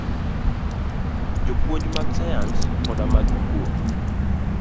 Jopuonj mag sayans koda mag kuo